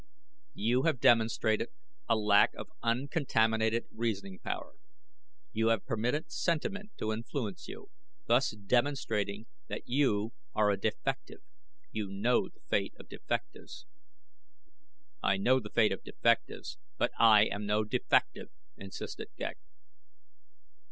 "You have demonstrated a lack of uncontaminated reasoning power. You have permitted sentiment to influence you, thus demonstrating that you are a defective. You know the fate of defectives." "I know the fate of defectives, but I am no defective," insisted Ghek.